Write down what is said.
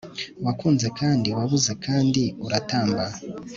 Wakunze kandi wabuze kandi uratamba